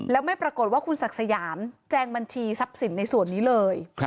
แล้วไม่ปรากฏว่าคุณศักดิ์สยามแจงบัญชีทรัพย์สินในส่วนนี้เลย